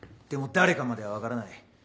でも誰かまでは分からない。